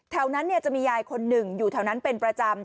แถวนั้นจะมียายคนหนึ่งอยู่แถวนั้นเป็นประจำ